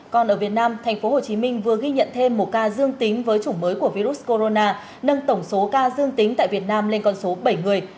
còn ở việt nam tp hcm vừa ghi nhận thêm một ca dương tính với chủng mới của virus corona nâng tổng số ca dương tính tại việt nam lên con số bảy người